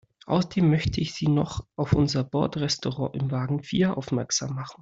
Außerdem möchte ich Sie noch auf unser Bordrestaurant in Wagen vier aufmerksam machen.